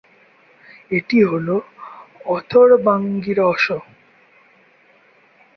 এটি হল ‘অথর্বাঙ্গিরসঃ’।